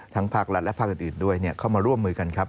ภาครัฐและภาคอื่นด้วยเข้ามาร่วมมือกันครับ